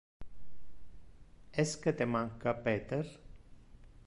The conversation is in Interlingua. Esque te manca Peter?